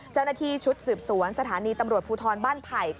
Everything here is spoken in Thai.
เจ้าหน้าที่ชุดสืบสวนสถานีตำรวจภูทรบ้านไผ่